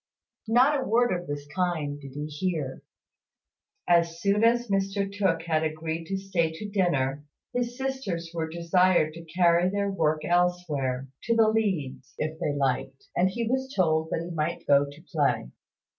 Not a word of this kind did he hear. As soon as Mr Tooke had agreed to stay to dinner, his sisters were desired to carry their work elsewhere, to the leads, if they liked; and he was told that he might go to play.